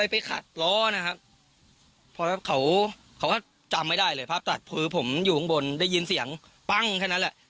ผมอยู่ข้างบนได้ยินเสียงปั้งแค่นั้นแหละ